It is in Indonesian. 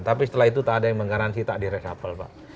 tapi setelah itu tak ada yang menggaransi tak di resapel pak